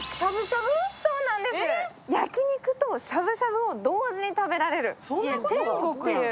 焼肉としゃぶしゃぶを同時に食べられるっていう。